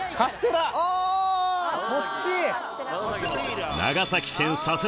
あこっち！